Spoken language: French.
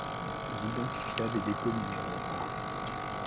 Il identifia des dépôts minéraux rares.